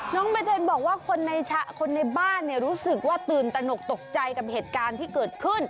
น้องใบเตนบอกว่าคนในบ้านรู้สึกว่าตื่นตนกตกใจกับเหตุการณ์ที่เกิดขึ้น